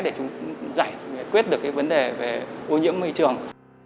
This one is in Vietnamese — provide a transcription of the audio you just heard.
để chúng giải quyết được cái vấn đề về ô nhiễm môi trường